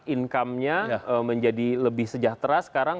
income nya menjadi lebih sejahtera sekarang